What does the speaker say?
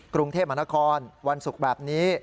กรุงเทพมหานครวันศุกร์แบบนี้